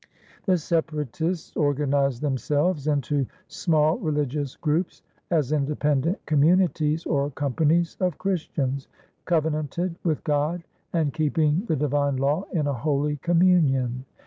The Separatists organized themselves into small religious groups, as independent communities or companies of Christians, covenanted with God and keeping the Divine Law in a Holy Communion.